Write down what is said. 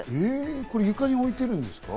床に置いてるんですか？